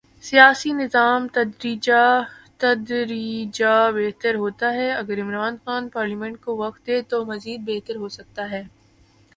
سیاسی نظام تدریجا بہتر ہوتا ہے اگر عمران خان پارلیمنٹ کو وقت دیں تو مزید بہتر ہو سکتا ہے۔